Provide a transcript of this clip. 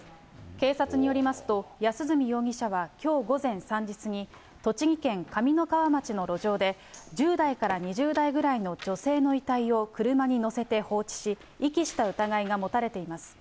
警察によりますと、安栖容疑者はきょう午前３時過ぎ、栃木県上三川町の路上で、１０代から２０代ぐらいの女性の遺体を車に乗せて放置し、遺棄した疑いが持たれています。